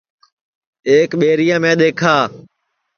ایک ٻیریا میں دؔیکھا